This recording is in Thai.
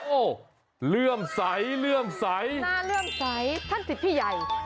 โอ้โหเรื่องใสเรื่องใสหน้าเรื่องใสท่านสิทธิใหญ่